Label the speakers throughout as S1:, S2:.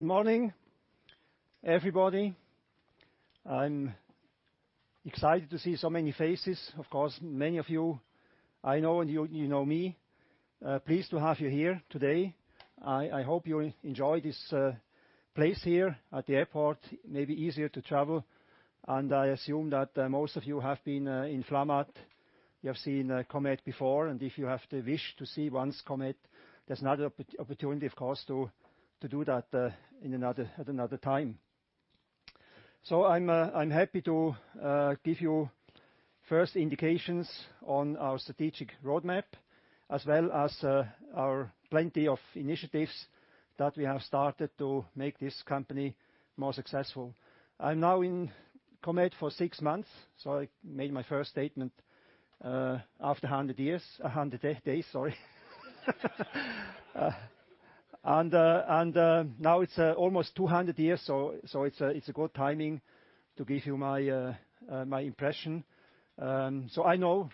S1: Good morning, everybody. I'm excited to see so many faces. Of course, many of you I know, and you know me. Pleased to have you here today. I hope you enjoy this place here at the airport. Maybe easier to travel. I assume that most of you have been in Flamatt. You have seen Comet before, and if you have the wish to see once Comet, there's another opportunity, of course, to do that at another time. I'm happy to give you first indications on our strategic roadmap, as well as our plenty of initiatives that we have started to make this company more successful. I'm now in Comet for six months. I made my first statement after 100 days, sorry. Now it's almost 200 years. It's a good timing to give you my impression. I know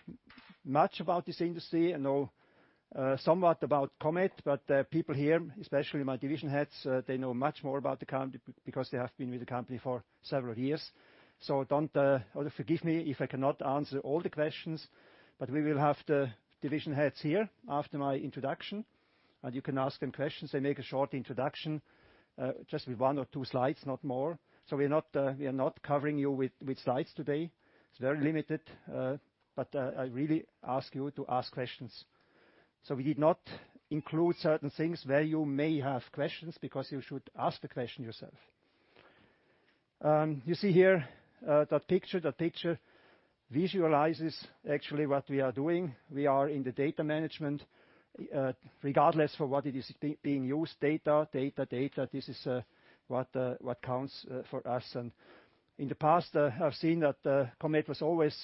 S1: much about this industry. I know somewhat about Comet, but people here, especially my division heads, they know much more about the company because they have been with the company for several years. Forgive me if I cannot answer all the questions, but we will have the division heads here after my introduction, and you can ask them questions. They make a short introduction, just with one or two slides, not more. We are not covering you with slides today. It's very limited. I really ask you to ask questions. We did not include certain things where you may have questions because you should ask the question yourself. You see here the picture. The picture visualizes actually what we are doing. We are in the data management, regardless for what it is being used, data, data. This is what counts for us. In the past, I've seen that Comet was always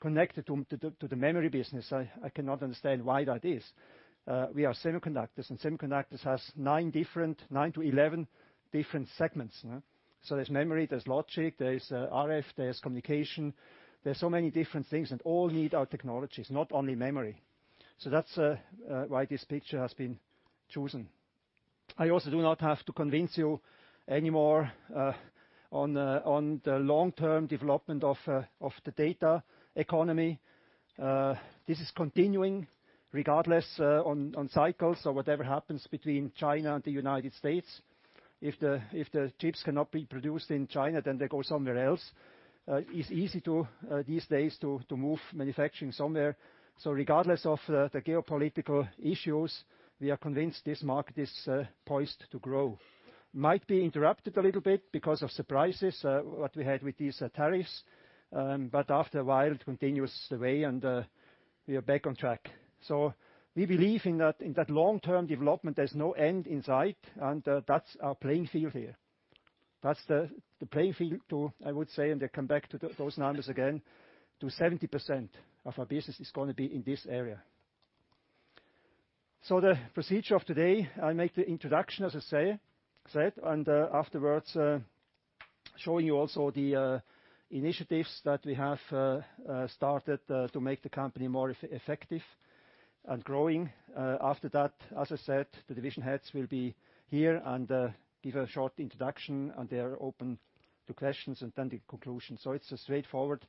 S1: connected to the memory business. I cannot understand why that is. We are semiconductors, and semiconductors has nine to 11 different segments. There's memory, there's logic, there is RF, there's communication. There are so many different things, and all need our technologies, not only memory. That's why this picture has been chosen. I also do not have to convince you anymore on the long-term development of the data economy. This is continuing regardless on cycles or whatever happens between China and the U.S. If the chips cannot be produced in China, then they go somewhere else. It's easy these days to move manufacturing somewhere. Regardless of the geopolitical issues, we are convinced this market is poised to grow. Might be interrupted a little bit because of surprises, what we had with these tariffs, but after a while it continues away and we are back on track. We believe in that long-term development, there's no end in sight, and that's our playing field here. That's the playing field to, I would say, and I come back to those numbers again, to 70% of our business is going to be in this area. The procedure of today, I make the introduction, as I said, and afterwards showing you also the initiatives that we have started to make the company more effective and growing. After that, as I said, the division heads will be here and give a short introduction, and they are open to questions and then the conclusion. It's a straightforward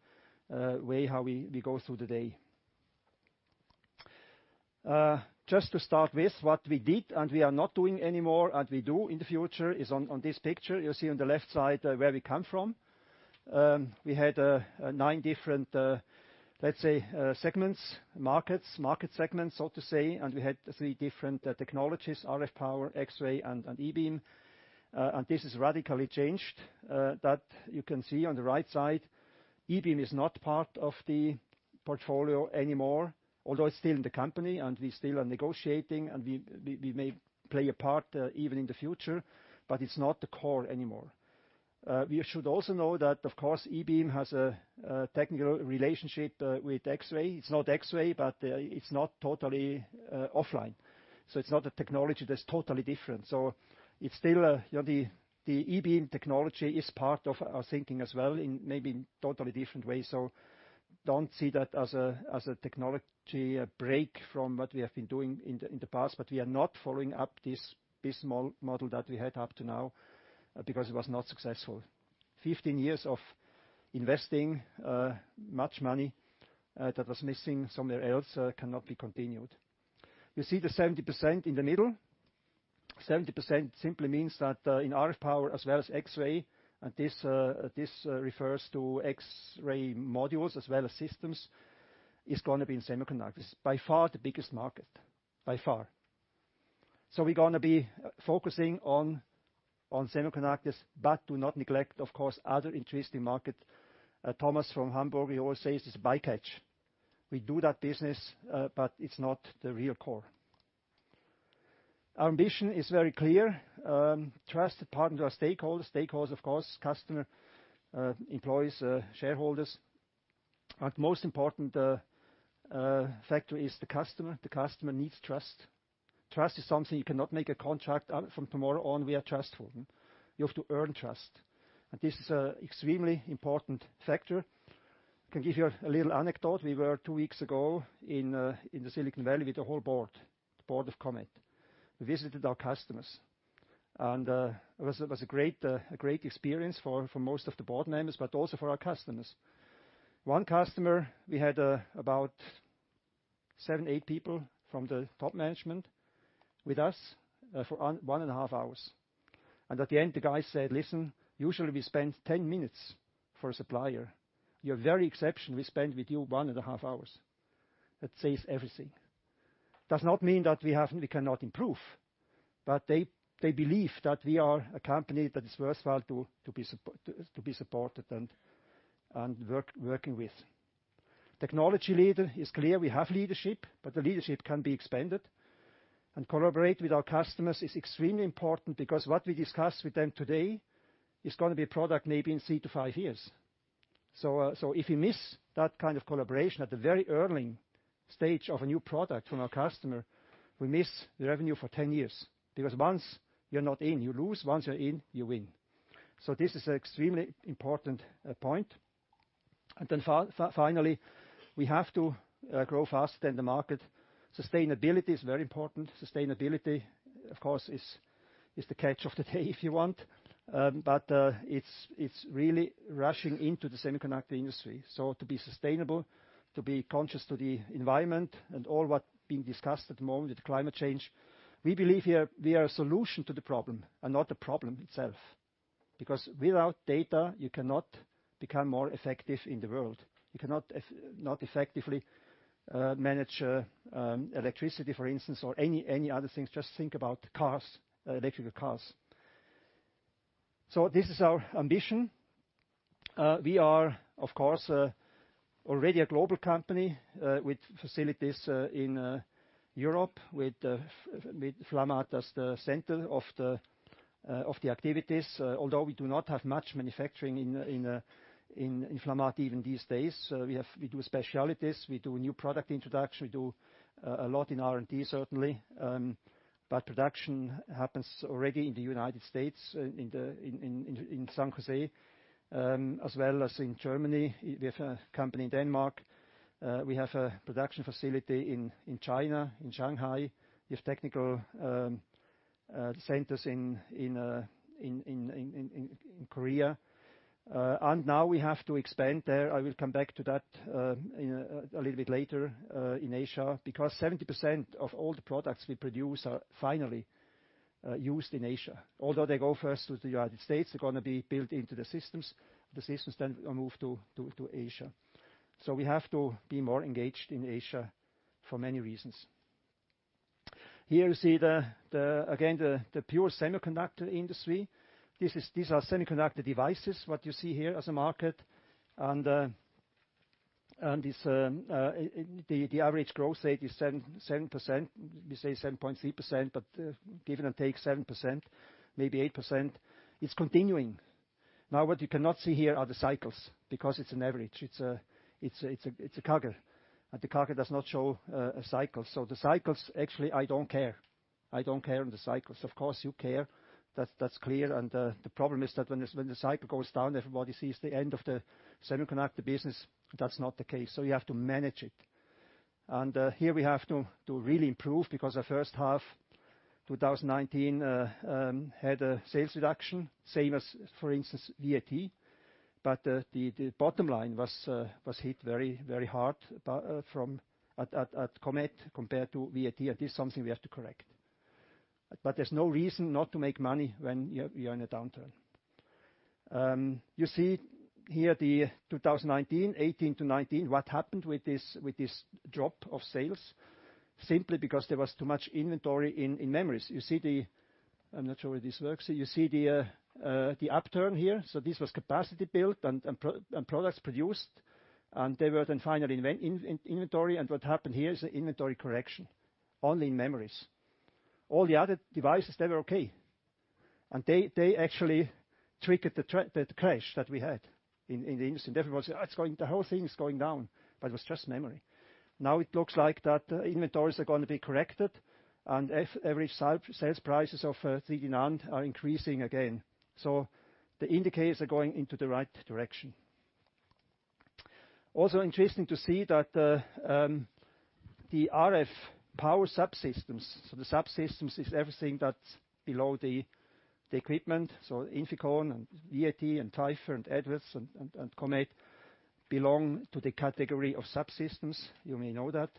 S1: way how we go through the day. Just to start with what we did and we are not doing anymore and we do in the future is on this picture. You see on the left side where we come from. We had nine different, let's say, segments, markets, market segments, so to say, and we had three different technologies, RF power, X-ray, and E-beam. This is radically changed. That you can see on the right side. E-beam is not part of the portfolio anymore, although it's still in the company and we still are negotiating, and we may play a part even in the future, but it's not the core anymore. We should also know that, of course, E-beam has a technical relationship with X-ray. It's not X-ray, but it's not totally offline. It's not a technology that's totally different. The E-beam technology is part of our thinking as well in maybe totally different ways. Don't see that as a technology break from what we have been doing in the past, but we are not following up this model that we had up to now because it was not successful. 15 years of investing much money that was missing somewhere else cannot be continued. You see the 70% in the middle. 70% simply means that in RF power as well as X-ray, and this refers to X-ray modules as well as systems, is going to be in semiconductors. By far the biggest market. By far. We're going to be focusing on semiconductors, but do not neglect, of course, other interesting market. Thomas from Hamburg, he always says it's a bycatch. We do that business, but it's not the real core. Our ambition is very clear. Trusted partner to our stakeholders. Stakeholders, of course, customer, employees, shareholders. Most important factor is the customer. The customer needs trust. Trust is something you cannot make a contract from tomorrow on, we are trustful. You have to earn trust. This is an extremely important factor. I can give you a little anecdote. We were, two weeks ago, in Silicon Valley with the whole board, the board of Comet. We visited our customers. It was a great experience for most of the board members, but also for our customers. One customer, we had about seven, eight people from the top management with us for one and a half hours. At the end, the guy said, "Listen, usually we spend 10 minutes for a supplier. You're very exceptional. We spent with you one and a half hours." That says everything. Does not mean that we cannot improve, but they believe that we are a company that is worthwhile to be supported and working with. Technology leader is clear. We have leadership, but the leadership can be expanded. Collaborate with our customers is extremely important because what we discuss with them today is going to be a product maybe in three to five years. If we miss that kind of collaboration at the very early stage of a new product from our customer, we miss the revenue for 10 years. Because once you're not in, you lose. Once you're in, you win. This is an extremely important point. Finally, we have to grow faster than the market. Sustainability is very important. Sustainability, of course, is the catch of the day, if you want, but it's really rushing into the semiconductor industry. To be sustainable, to be conscious to the environment, and all what is being discussed at the moment with climate change, we believe we are a solution to the problem and not the problem itself. Because without data, you cannot become more effective in the world. You cannot effectively manage electricity, for instance, or any other things. Just think about cars, electrical cars. This is our ambition. We are, of course, already a global company, with facilities in Europe, with Flamatt as the center of the activities. Although we do not have much manufacturing in Flamatt even these days. We do specialties, we do new product introduction. We do a lot in R&D, certainly. Production happens already in the U.S., in San Jose, as well as in Germany. We have a company in Denmark. We have a production facility in China, in Shanghai. We have technical centers in Korea. Now we have to expand there, I will come back to that a little bit later, in Asia, because 70% of all the products we produce are finally used in Asia. Although they go first to the U.S., they're going to be built into the systems. The systems then move to Asia. We have to be more engaged in Asia for many reasons. Here you see, again, the pure semiconductor industry. These are semiconductor devices, what you see here as a market. The average growth rate is 7%. We say 7.3%, but give it or take 7%, maybe 8%. It's continuing. Now, what you cannot see here are the cycles, because it's an average. It's a CAGR, and the CAGR does not show a cycle. The cycles, actually, I don't care. I don't care on the cycles. Of course you care, that's clear, the problem is that when the cycle goes down, everybody sees the end of the semiconductor business. That's not the case, you have to manage it. Here we have to really improve because our first half 2019 had a sales reduction, same as, for instance, VAT. The bottom line was hit very hard at Comet compared to VAT, and this is something we have to correct. There's no reason not to make money when you're in a downturn. You see here the 2019, 2018 to 2019, what happened with this drop of sales, simply because there was too much inventory in memories. I'm not sure whether this works. You see the upturn here. This was capacity built and products produced, and they were then finally in inventory, and what happened here is the inventory correction, only in memories. All the other devices, they were okay. They actually triggered the crash that we had in the industry. Everyone said, "The whole thing is going down." It was just memory. It looks like that inventories are going to be corrected, and average sales prices of 3D NAND are increasing again. The indicators are going into the right direction. Also interesting to see that the RF power subsystems, the subsystems is everything that's below the equipment. INFICON and VAT and TRUMPF and Edwards and Comet belong to the category of subsystems. You may know that.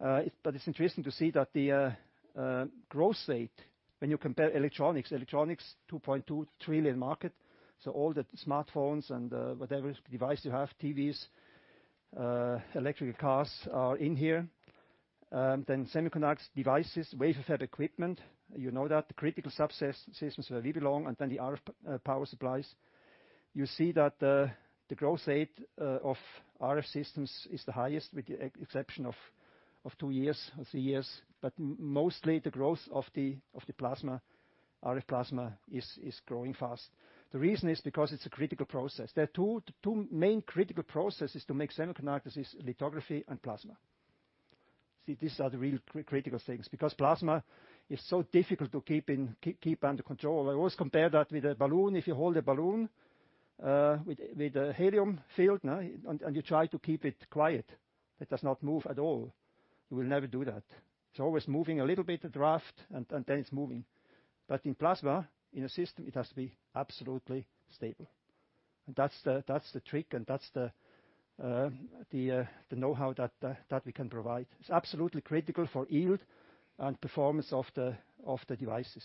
S1: It's interesting to see that the growth rate when you compare electronics, $2.2 trillion market. All the smartphones and whatever device you have, TVs, electrical cars, are in here. Semiconductor devices, wafer fab equipment. You know that. The critical subsystems where we belong, then the RF power supplies. You see that the growth rate of RF systems is the highest, with the exception of two years or three years. Mostly the growth of the RF plasma is growing fast. The reason is because it's a critical process. There are two main critical processes to make semiconductors is lithography and plasma. See, these are the real critical things, because plasma is so difficult to keep under control. I always compare that with a balloon. If you hold a balloon with a helium-filled and you try to keep it quiet, it does not move at all. You will never do that. It's always moving a little bit, the draft, then it's moving. In plasma, in a system, it has to be absolutely stable. That's the trick, that's the know-how that we can provide. It's absolutely critical for yield and performance of the devices.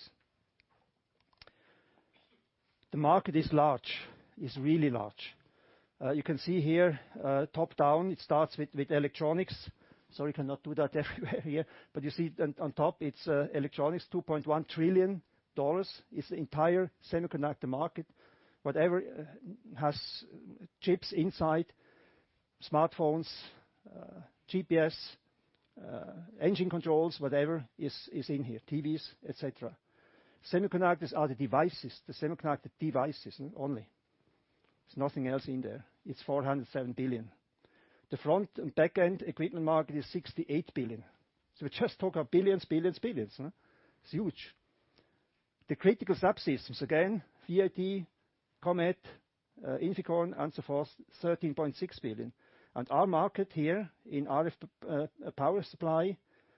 S1: The market is really large. You can see here, top down, it starts with electronics. Sorry, cannot do that everywhere here. You see on top it's electronics, $2.1 trillion is the entire semiconductor market. Whatever has chips inside, smartphones, GPS, engine controls, whatever, is in here, TVs, et cetera. Semiconductors are the semiconductor devices only. There's nothing else in there. It's $407 billion. The front and back end equipment market is $68 billion. We just talk of billions. It's huge. The critical subsystems, again, VAT, Comet, INFICON, and so forth, $13.6 billion. Our market here in RF power supply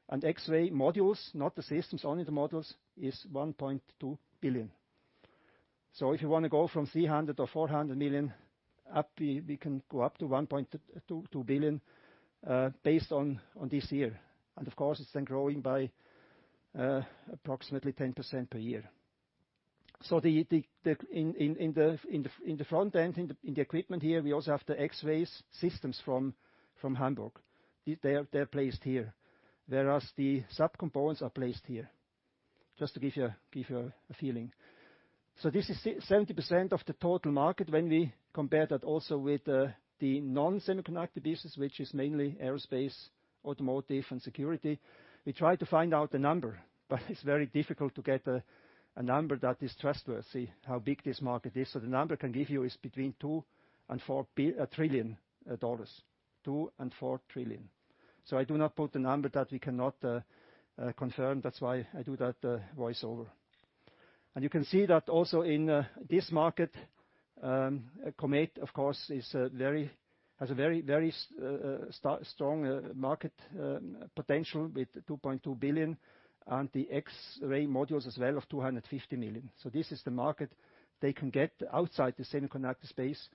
S1: and X-ray modules, not the systems, only the modules, is $1.2 billion. If you want to go from 300 million or 400 million up, we can go up to 1.2 billion, based on this year. Of course, it's then growing by approximately 10% per year. In the front end, in the equipment here, we also have the X-ray systems from Hamburg. They're placed here, whereas the subcomponents are placed here. Just to give you a feeling. This is 70% of the total market. When we compare that also with the non-semiconductor business, which is mainly aerospace, automotive, and security, we try to find out the number, but it's very difficult to get a number that is trustworthy, how big this market is. The number can give you is between $2 trillion and $4 trillion. $2 trillion and $4 trillion. I do not put a number that we cannot confirm. That's why I do that voiceover. You can see that also in this market, Comet, of course, has a very strong market potential with 2.2 billion and the X-ray modules as well of 250 million. This is the market they can get outside the semiconductor space.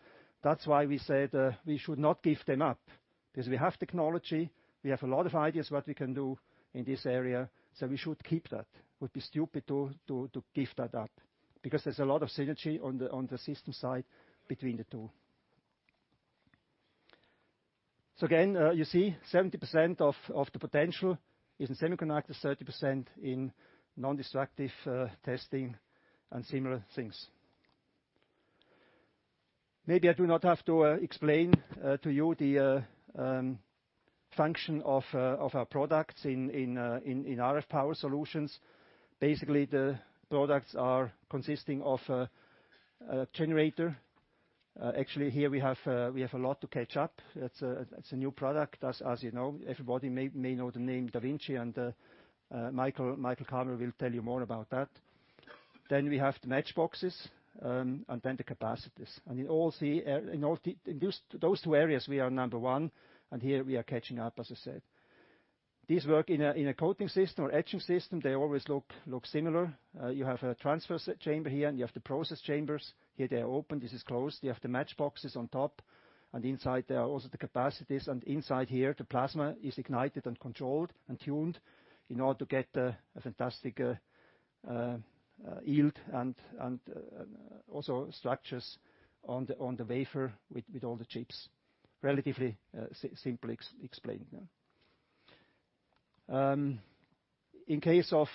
S1: That's why we said we should not give them up, because we have technology, we have a lot of ideas what we can do in this area, so we should keep that. Would be stupid to give that up, because there's a lot of synergy on the system side between the two. Again, you see 70% of the potential is in semiconductors, 30% in nondestructive testing and similar things. Maybe I do not have to explain to you the function of our products in RF power solutions. Basically, the products are consisting of a generator. Actually, here we have a lot to catch up. It's a new product, as you know. Everybody may know the name daVinci. Michael Kammerer will tell you more about that. We have the match boxes, and then the capacities. In those two areas, we are number one, and here we are catching up, as I said. These work in a coating system or etching system. They always look similar. You have a transfer chamber here, and you have the process chambers. Here they are open, this is closed. You have the match boxes on top, and inside there are also the capacities, and inside here, the plasma is ignited and controlled and tuned in order to get a fantastic yield and also structures on the wafer with all the chips. Relatively simply explained. In case of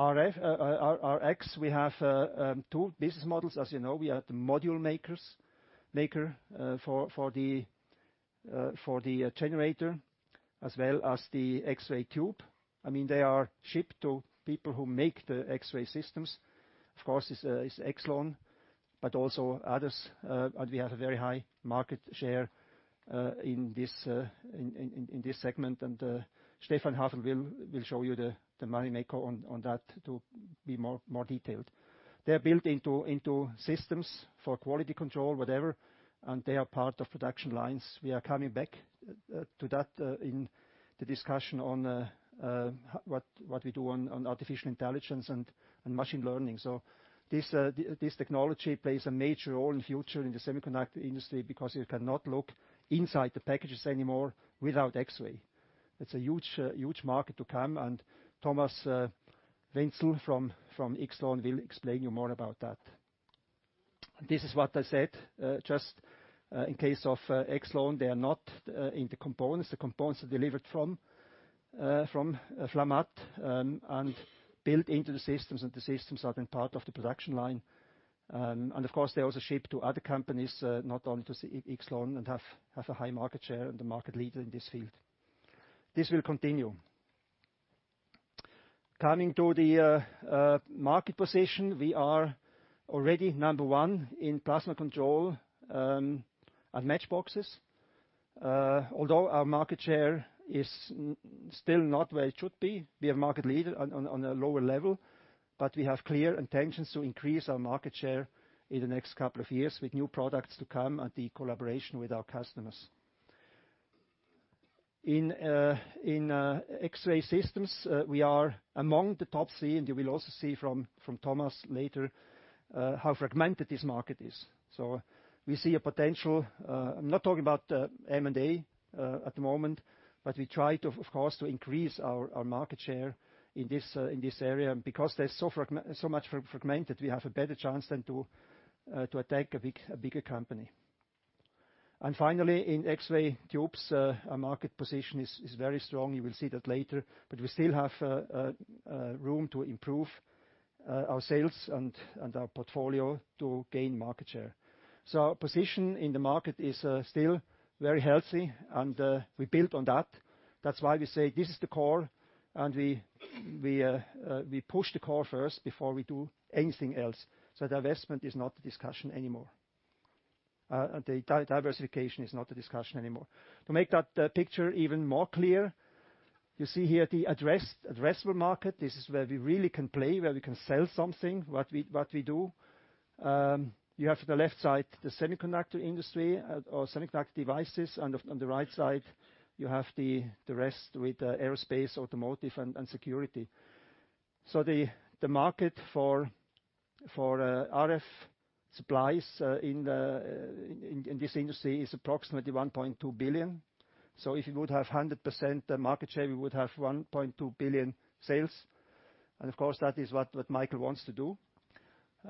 S1: our X-ray, we have two business models. As you know, we are the module maker for the generator as well as the X-ray tube. They are shipped to people who make the X-ray systems. Of course, it's YXLON, but also others, and we have a very high market share in this segment. Stephan Haferl will show you the money maker on that to be more detailed. They're built into systems for quality control, whatever, and they are part of production lines. We are coming back to that in the discussion on what we do on artificial intelligence and machine learning. This technology plays a major role in future in the semiconductor industry because you cannot look inside the packages anymore without X-ray. It's a huge market to come, and Thomas Wenzel from YXLON will explain you more about that. This is what I said, just in case of YXLON, they are not in the components. The components are delivered from Flamatt, and built into the systems, and the systems are then part of the production line. Of course, they also ship to other companies, not only to YXLON, and have a high market share and the market leader in this field. This will continue. Coming to the market position, we are already number one in Plasma Control and match boxes. Although our market share is still not where it should be, we are market leader on a lower level. We have clear intentions to increase our market share in the next couple of years with new products to come and the collaboration with our customers. In X-ray systems, we are among the top three, and you will also see from Thomas later how fragmented this market is. We see a potential. I'm not talking about M&A at the moment, we try, of course, to increase our market share in this area, because there's so much fragmented, we have a better chance than to attack a bigger company. Finally, in X-ray tubes, our market position is very strong. You will see that later. We still have room to improve our sales and our portfolio to gain market share. Our position in the market is still very healthy, and we build on that. That's why we say this is the core, and we push the core first before we do anything else. Diversification is not a discussion anymore. To make that picture even more clear, you see here the addressable market. This is where we really can play, where we can sell something, what we do. You have the left side, the semiconductor industry or semiconductor devices. On the right side, you have the rest with aerospace, automotive, and security. The market for RF supplies in this industry is approximately $1.2 billion. If you would have 100% market share, we would have $1.2 billion sales. Of course, that is what Michael wants to do.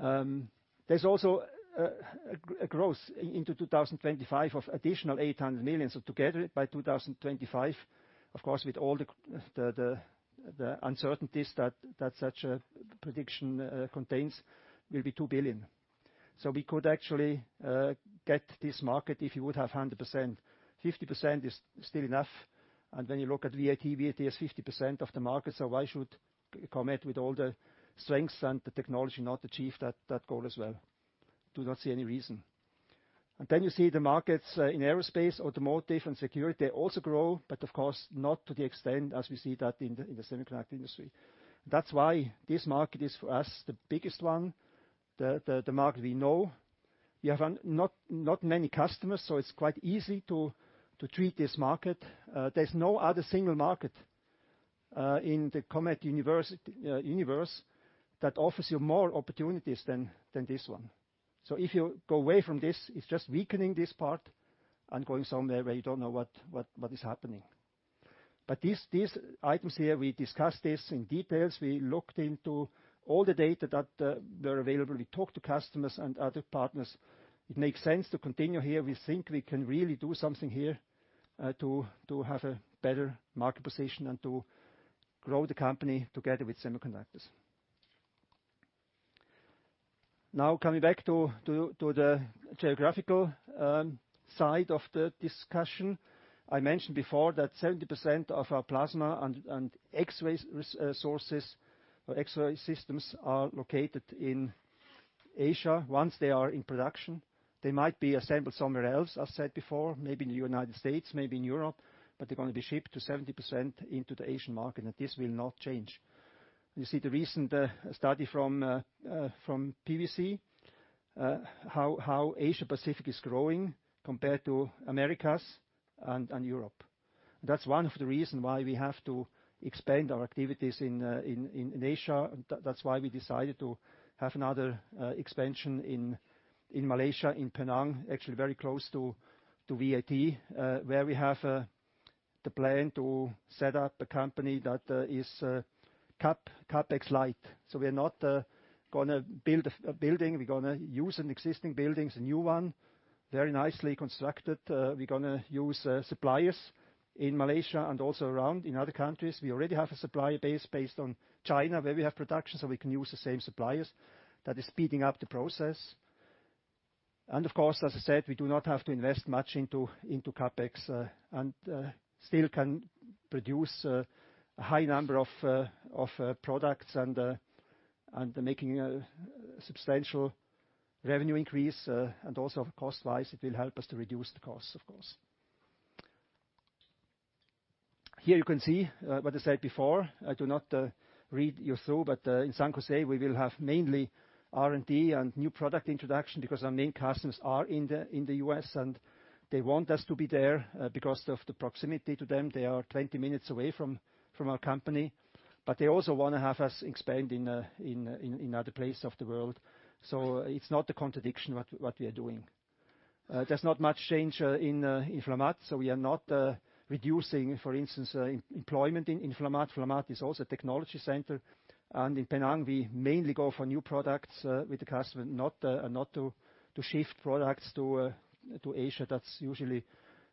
S1: There is also a growth into 2025 of additional $800 million. Together, by 2025, of course, with all the uncertainties that such a prediction contains, will be $2 billion. We could actually get this market if you would have 100%. 50% is still enough. When you look at VAT has 50% of the market, why should Comet, with all the strengths and the technology, not achieve that goal as well? Do not see any reason. You see the markets in aerospace, automotive, and security, they also grow, but of course, not to the extent as we see that in the semiconductor industry. That's why this market is, for us, the biggest one, the market we know. We have not many customers, so it's quite easy to treat this market. There's no other single market in the Comet universe that offers you more opportunities than this one. If you go away from this, it's just weakening this part and going somewhere where you don't know what is happening. These items here, we discussed this in details. We looked into all the data that were available. We talked to customers and other partners. It makes sense to continue here. We think we can really do something here, to have a better market position and to grow the company together with semiconductors. Coming back to the geographical side of the discussion. I mentioned before that 70% of our plasma and X-ray sources or X-ray systems are located in Asia. Once they are in production, they might be assembled somewhere else, as said before, maybe in the U.S., maybe in Europe, they're going to be shipped to 70% into the Asian market, this will not change. You see the recent study from PwC, how Asia Pacific is growing compared to Americas and Europe. That's one of the reason why we have to expand our activities in Asia. That's why we decided to have another expansion in Malaysia, in Penang, actually very close to VAT, where we have the plan to set up a company that is CapEx light. We're not going to build a building. We're going to use an existing building, it's a new one, very nicely constructed. We're going to use suppliers in Malaysia and also around in other countries. We already have a supplier base based on China, where we have production, so we can use the same suppliers. That is speeding up the process. Of course, as I said, we do not have to invest much into CapEx and still can produce a high number of products and making a substantial revenue increase, and also cost-wise, it will help us to reduce the costs, of course. Here you can see what I said before. I do not read you through, but in San José, we will have mainly R&D and new product introduction because our main customers are in the U.S., and they want us to be there, because of the proximity to them. They are 20 minutes away from our company. They also want to have us expand in other places of the world. It's not a contradiction what we are doing. There's not much change in Flamatt, so we are not reducing, for instance, employment in Flamatt. Flamatt is also a technology center, and in Penang, we mainly go for new products with the customer, not to shift products to Asia. That's usually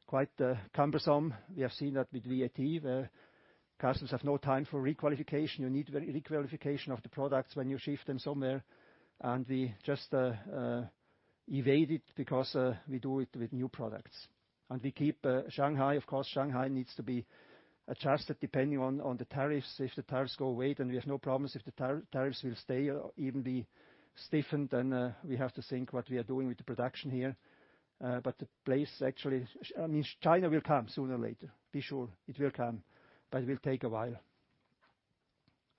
S1: quite cumbersome. We have seen that with VAT, where customers have no time for requalification. You need requalification of the products when you shift them somewhere. We just evade it because we do it with new products. We keep Shanghai, of course, Shanghai needs to be adjusted depending on the tariffs. If the tariffs go away, then we have no problems. If the tariffs will stay or even be stiffened, then we have to think what we are doing with the production here. China will come sooner or later. Be sure, it will come. It will take a while.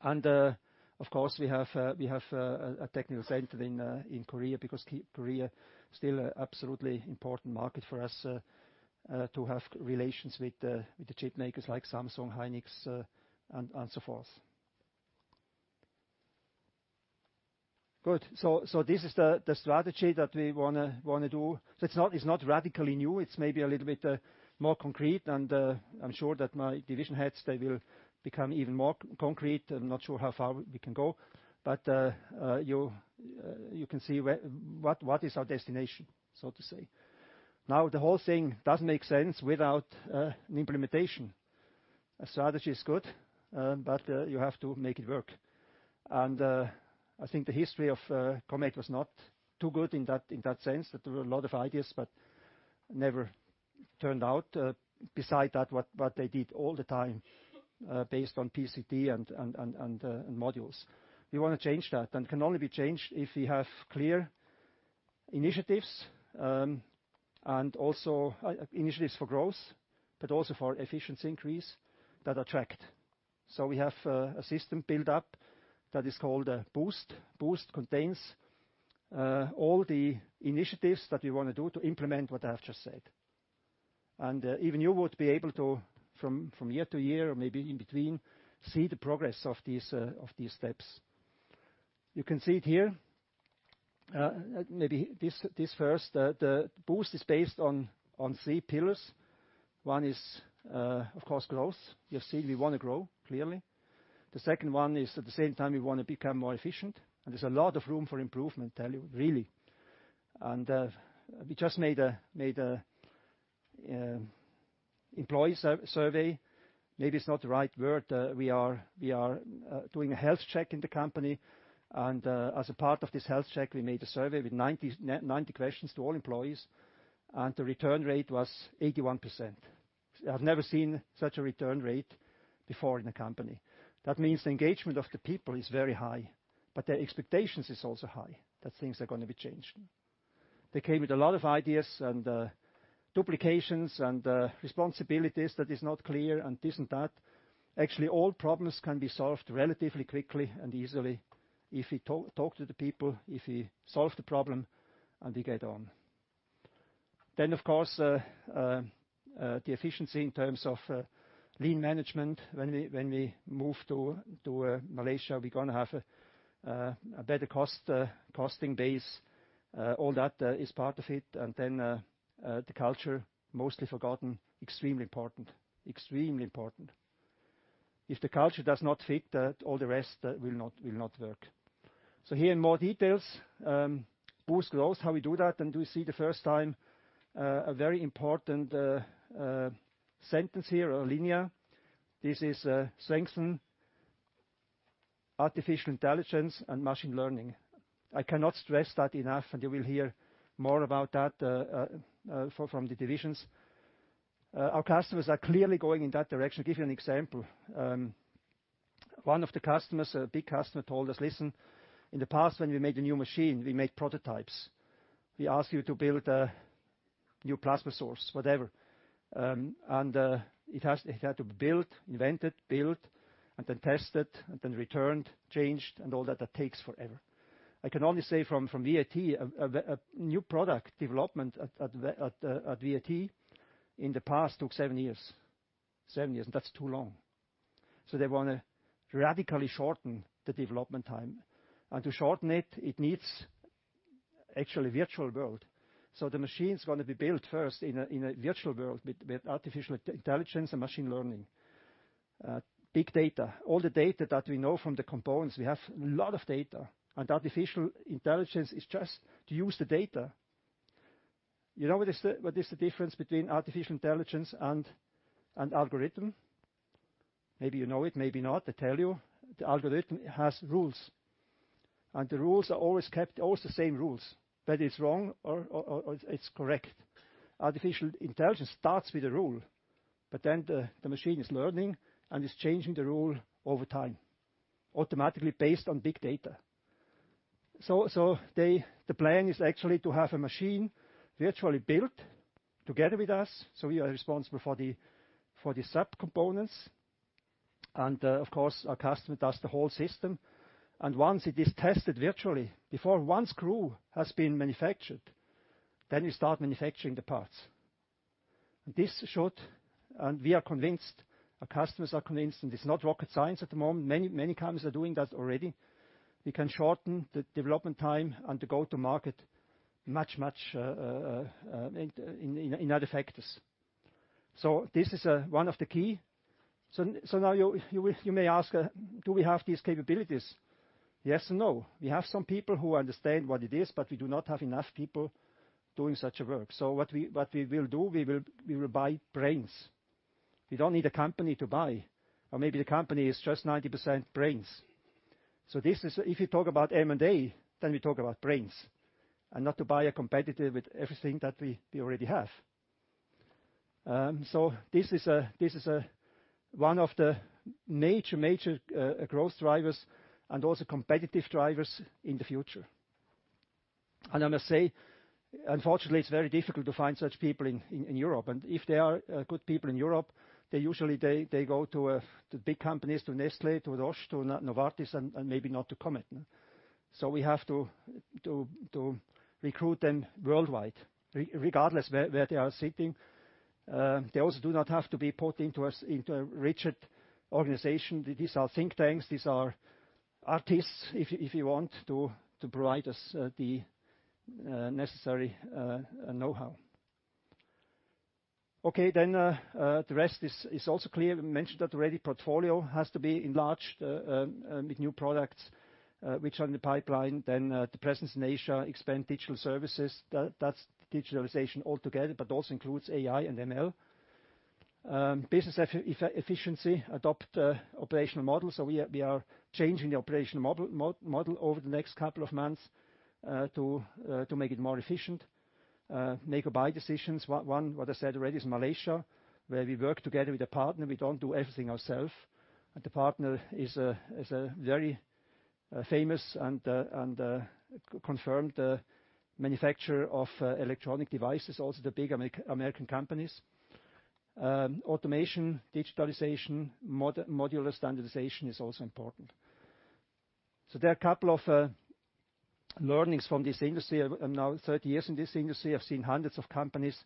S1: Of course, we have a technical center in Korea because Korea still absolutely important market for us to have relations with the chip makers like Samsung, SK Hynix and so forth. Good. This is the strategy that we want to do. It's not radically new, it's maybe a little bit more concrete, and I'm sure that my division heads, they will become even more concrete. I'm not sure how far we can go. You can see what is our destination, so to say. Now, the whole thing doesn't make sense without an implementation. A strategy is good, but you have to make it work. I think the history of Comet was not too good in that sense, that there were a lot of ideas, but never turned out beside that what they did all the time, based on PCT and modules. We want to change that. Can only be changed if we have clear initiatives, and also initiatives for growth, but also for efficiency increase that are tracked. We have a system built up that is called a Boost. Boost contains all the initiatives that we want to do to implement what I have just said. Even you would be able to, from year to year or maybe in between, see the progress of these steps. You can see it here. Maybe this first. The Boost is based on three pillars. One is, of course, growth. You have seen we want to grow, clearly. The second one is at the same time we want to become more efficient, and there's a lot of room for improvement, really. We just made a employee survey. Maybe it's not the right word. We are doing a health check in the company, and as a part of this health check, we made a survey with 90 questions to all employees, and the return rate was 81%. I've never seen such a return rate before in the company. That means the engagement of the people is very high, but their expectations is also high, that things are going to be changed. They came with a lot of ideas and duplications and responsibilities that is not clear and this and that. Actually, all problems can be solved relatively quickly and easily if we talk to the people, if we solve the problem, and we get on. The efficiency in terms of lean management. When we move to Malaysia, we're going to have a better costing base. All that is part of it. The culture, mostly forgotten, extremely important. Extremely important. If the culture does not fit, all the rest will not work. Here in more details, Boost growth, how we do that, and you see the first time, a very important sentence here or line. This is strengthen artificial intelligence and machine learning. I cannot stress that enough, and you will hear more about that from the divisions. Our customers are clearly going in that direction. Give you an example. One of the customers, a big customer, told us, "Listen, in the past, when we made a new machine, we made prototypes. We asked you to build a new plasma source, whatever. It had to be built, invented, built, and then tested, and then returned, changed, and all that takes forever. I can only say from VAT, a new product development at VAT in the past took seven years. Seven years, that's too long. They want to radically shorten the development time. To shorten it needs actually virtual world. The machine's going to be built first in a virtual world with artificial intelligence and machine learning. Big data, all the data that we know from the components, we have a lot of data. Artificial intelligence is just to use the data. You know what is the difference between artificial intelligence and algorithm? Maybe you know it, maybe not. I tell you, the algorithm has rules, and the rules are always kept, always the same rules, whether it's wrong or it's correct. Artificial intelligence starts with a rule, but then the machine is learning and is changing the rule over time, automatically based on big data. The plan is actually to have a machine virtually built together with us, so we are responsible for the subcomponents. Of course, our customer does the whole system. Once it is tested virtually, before one screw has been manufactured, then we start manufacturing the parts. This should, and we are convinced, our customers are convinced, and it's not rocket science at the moment. Many companies are doing that already. We can shorten the development time and the go-to-market much, much in other factors. This is one of the key. Now you may ask, do we have these capabilities? Yes and no. We have some people who understand what it is, but we do not have enough people doing such a work. What we will do, we will buy brains. We don't need a company to buy, or maybe the company is just 90% brains. If you talk about M&A, then we talk about brains, and not to buy a competitor with everything that we already have. This is one of the major growth drivers and also competitive drivers in the future. I must say, unfortunately, it's very difficult to find such people in Europe, and if there are good people in Europe, they usually go to big companies, to Nestle, to Roche, to Novartis, and maybe not to Comet. We have to recruit them worldwide regardless where they are sitting. They also do not have to be put into a rigid organization. These are think tanks, these are artists, if you want, to provide us the necessary know-how. The rest is also clear. We mentioned that already portfolio has to be enlarged, with new products, which are in the pipeline. The presence in Asia, expand digital services, that's digitalization altogether, but also includes AI and ML. Business efficiency, adopt operational model. We are changing the operational model over the next couple of months, to make it more efficient. Make or buy decisions. One, what I said already is Malaysia, where we work together with a partner. We don't do everything ourselves. The partner is a very famous and confirmed manufacturer of electronic devices, also the big American companies. Automation, digitalization, modular standardization is also important. There are a couple of learnings from this industry. I'm now 30 years in this industry. I've seen hundreds of companies,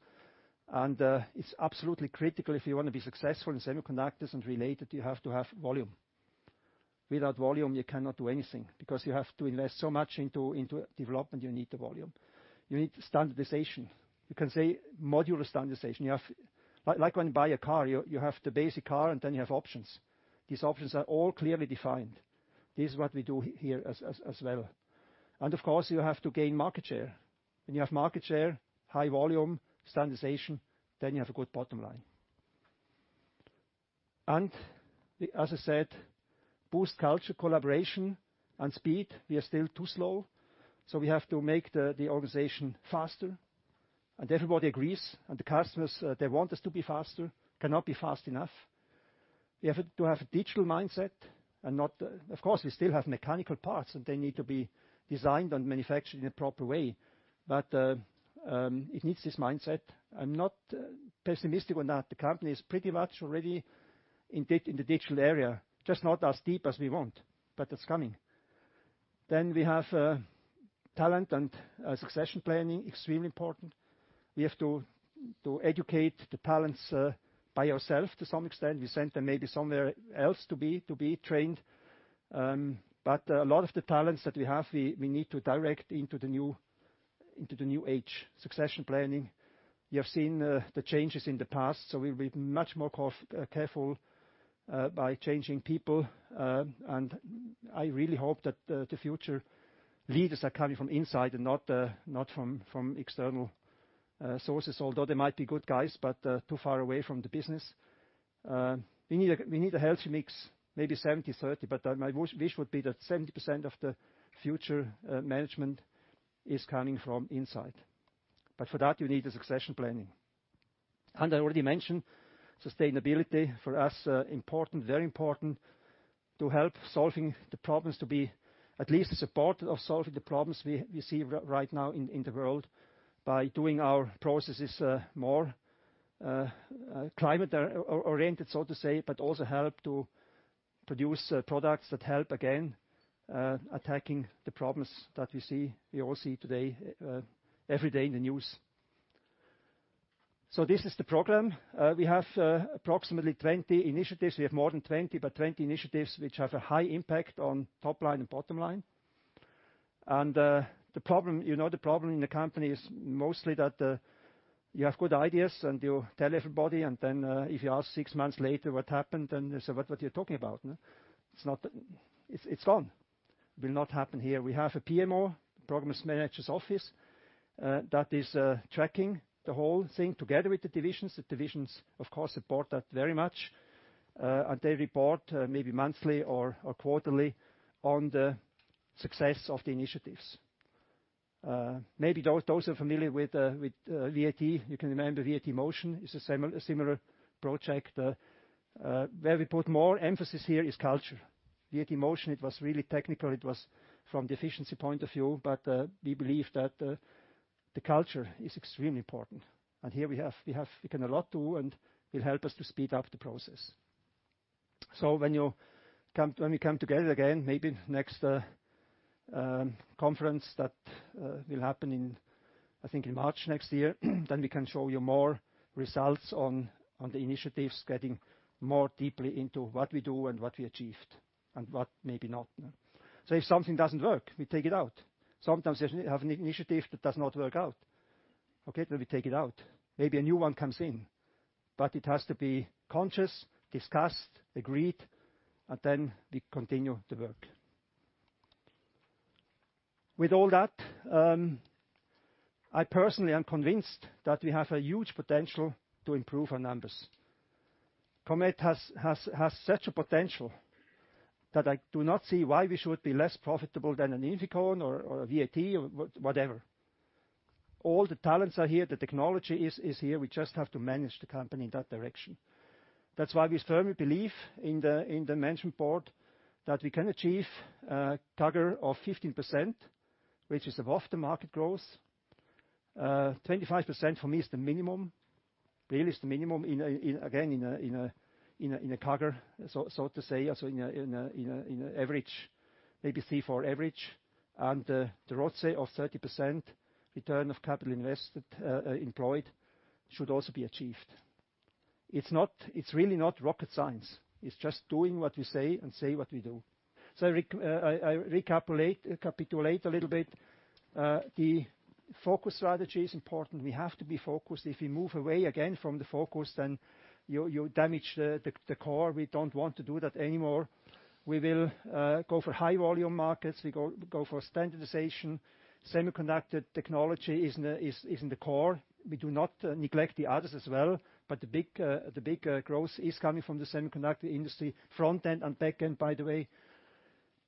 S1: and it's absolutely critical if you want to be successful in semiconductors and related, you have to have volume. Without volume, you cannot do anything because you have to invest so much into development. You need the volume. You need standardization. You can say modular standardization. Like when you buy a car, you have the basic car, and then you have options. These options are all clearly defined. This is what we do here as well. Of course, you have to gain market share. When you have market share, high volume, standardization, then you have a good bottom line. As I said, Boost culture, collaboration, and speed. We are still too slow, so we have to make the organization faster. Everybody agrees, and the customers, they want us to be faster, cannot be fast enough. We have to have a digital mindset. Of course, we still have mechanical parts, and they need to be designed and manufactured in a proper way. It needs this mindset. I'm not pessimistic on that. The company is pretty much already in the digital area, just not as deep as we want. It's coming. We have talent and succession planning, extremely important. We have to educate the talents by ourselves to some extent. We send them maybe somewhere else to be trained. A lot of the talents that we have, we need to direct into the new age. Succession planning. You have seen the changes in the past. We'll be much more careful by changing people. I really hope that the future leaders are coming from inside and not from external sources, although they might be good guys, but too far away from the business. We need a healthy mix, maybe 70/30, but my wish would be that 70% of the future management is coming from inside. For that, you need a succession planning. I already mentioned sustainability, for us, important, very important to help solving the problems, to be at least a supporter of solving the problems we see right now in the world by doing our processes more climate-oriented, so to say, but also help to produce products that help, again, attacking the problems that we all see today, every day in the news. This is the program. We have approximately 20 initiatives. We have more than 20 initiatives which have a high impact on top line and bottom line. The problem in the company is mostly that you have good ideas, and you tell everybody, and then if you ask six months later what happened and they say, "What are you talking about?" It's gone. Will not happen here. We have a PMO, programs managers office, that is tracking the whole thing together with the divisions. The divisions, of course, support that very much. They report maybe monthly or quarterly on the success of the initiatives. Maybe those who are familiar with VAT, you can remember VAT Motion is a similar project. Where we put more emphasis here is culture. VAT Motion, it was really technical. It was from the efficiency point of view, but we believe that the culture is extremely important. Here we have a lot to do, and will help us to speed up the process. When we come together again, maybe next conference that will happen in, I think, in March next year, then we can show you more results on the initiatives, getting more deeply into what we do and what we achieved, and what maybe not. If something doesn't work, we take it out. Sometimes you have an initiative that does not work out. We take it out. Maybe a new one comes in. It has to be conscious, discussed, agreed, and then we continue the work. With all that, I personally am convinced that we have a huge potential to improve our numbers. Comet has such a potential that I do not see why we should be less profitable than an INFICON or a VAT or whatever. All the talents are here, the technology is here. We just have to manage the company in that direction. We firmly believe in the management board that we can achieve a CAGR of 15%, which is above the market growth. 25% for me really is the minimum, again, in a CAGR, so to say, in a average, ABC4 average. The ROCE of 30%, return of capital invested employed, should also be achieved. It's really not rocket science. It's just doing what we say and say what we do. I recapitulate a little bit. The focus strategy is important. We have to be focused. If we move away again from the focus, you damage the core. We don't want to do that anymore. We will go for high volume markets. We go for standardization. Semiconductor technology is in the core. We do not neglect the others as well. The big growth is coming from the semiconductor industry, front-end and back-end, by the way.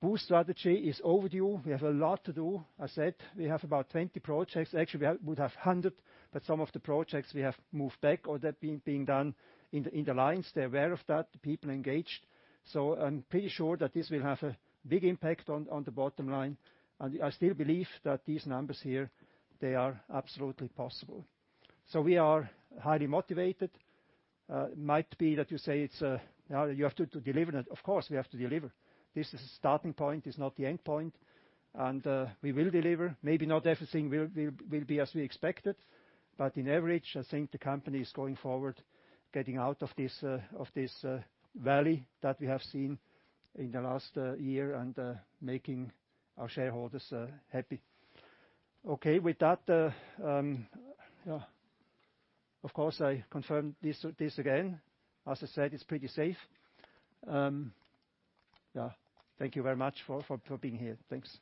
S1: Boost strategy is overdue. We have a lot to do. I said we have about 20 projects. Actually, we would have 100, but some of the projects we have moved back or they're being done in the lines. They're aware of that, the people engaged. I'm pretty sure that this will have a big impact on the bottom line. I still believe that these numbers here, they are absolutely possible. We are highly motivated. Might be that you say, now you have to deliver. Of course, we have to deliver. This is the starting point, it's not the end point. We will deliver. Maybe not everything will be as we expected, but on average, I think the company is going forward, getting out of this valley that we have seen in the last year, and making our shareholders happy. Okay, with that, of course, I confirm this again. As I said, it's pretty safe. Thank you very much for being here. Thanks.